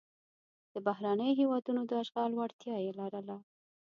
د بهرنیو هېوادونو د اشغال وړتیا یې لرله.